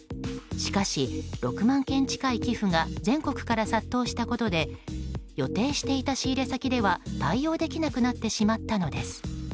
しかし、６万件近い寄付が全国から殺到したことで予定していた仕入れ先では対応できなくなってしまったのです。